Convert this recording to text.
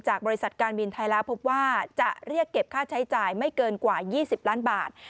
บริษัทการบินไทยแล้วพบว่าจะเรียกเก็บค่าใช้จ่ายไม่เกินกว่า๒๐ล้านบาท